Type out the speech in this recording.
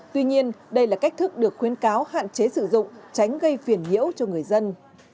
tuy nhiên đây là cách thức được khuyến cáo hạn chế sử dụng tránh gây phiền nhiễu cho người dân